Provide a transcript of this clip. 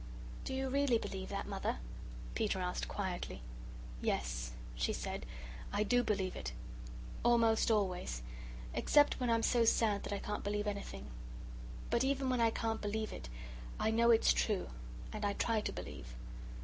"Do you really believe that, Mother?" Peter asked quietly. "Yes," she said, "I do believe it almost always except when I'm so sad that I can't believe anything. But even when I can't believe it, I know it's true and I try to believe.